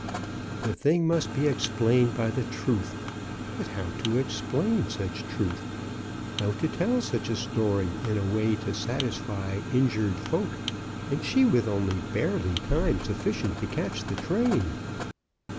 The thing must be ex plained by the truth ; but how to explain such MRS. BROWN DOES ESCAPE. 49 truth, how to tell such story in a way to satisfy injured folk, and she with only barely time suf ficient to catch the train